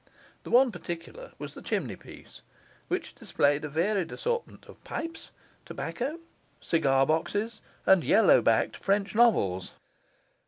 The one particular was the chimney piece, which displayed a varied assortment of pipes, tobacco, cigar boxes, and yellow backed French novels.